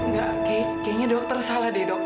enggak kayaknya dokter salah deh dok